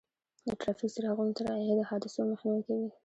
د ټرافیک څراغونو ته رعایت د حادثو مخنیوی کوي.